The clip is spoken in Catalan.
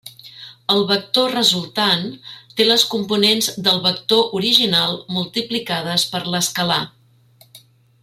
El vector resultant té les components del vector original multiplicades per l'escalar.